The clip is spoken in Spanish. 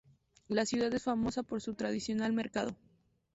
La ciudad es famosa por su tradicional mercado.